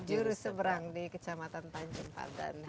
juru seberang di kecamatan tanjung padan